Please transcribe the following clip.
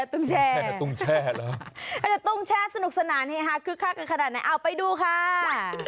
ตุงแช่สนุกสนานเนี้ยค่ะคื้กฆาค่ะขนาดไหนเอาไปดูคะ